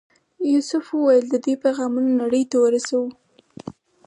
یوسف وویل چې د دوی پیغامونه نړۍ ته ورسوو.